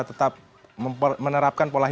ini tuh panggung utama olarolelari